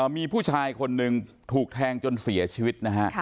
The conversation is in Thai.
มีผู้ชายคนหนึ่งถูกแทงจนเสียชีวิตนะฮะ